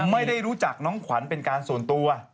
ไม่ได้รู้จักน้องขวัญเป็นการส่วนตัว